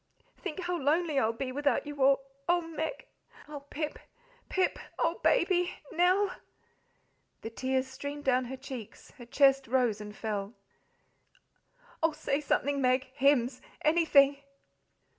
Think how lonely I'll be without you all. Oh, Meg! Oh, Pip, Pip! Oh, Baby! Nell!" The tears streamed down her cheeks; her chest rose and fell. "Oh, say something, Meg! hymns! anything!"